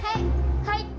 はい。